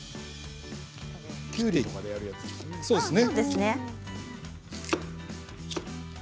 きゅうりとかでやるやつですね。